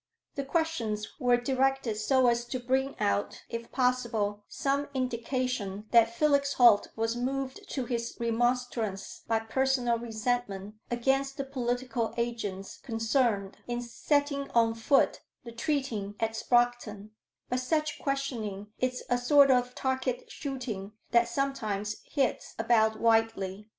The questions were directed so as to bring out, if possible, some indication that Felix Holt was moved to his remonstrance by personal resentment against the political agents concerned in setting on foot the treating at Sproxton, but such questioning is a sort of target shooting that sometimes hits about widely.